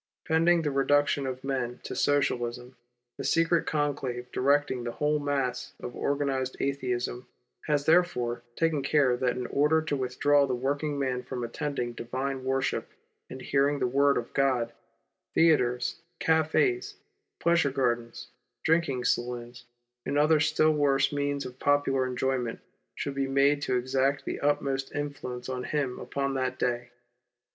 Pending the reduction of men to Socialism, the secret conclave directing the whole mass of organized Atheism has therefore taken care that in order to withdraw the working man from attending divine worship and the hearing of the Word of God, theatres, cafes, pleasure gardens, drinking saloons, and other still worse means of popular enjoyment shall ])e made to exert the utmost influence on him upon that day.